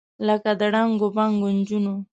لکه د ړنګو بنګو نجونو،